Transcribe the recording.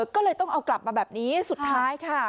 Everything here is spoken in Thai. ก็เลยต้องเอากลับมาแบบนี้สุดท้ายค่ะ